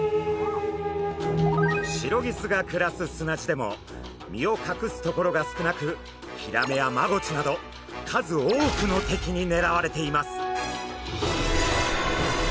シロギスが暮らす砂地でも身をかくす所が少なくヒラメやマゴチなど数多くの敵にねらわれています。